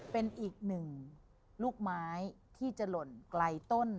เป็นอีกหนึ่งลูกไม้ที่จะหล่นไกลต้น